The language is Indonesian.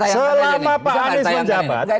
selama pak anis menjabat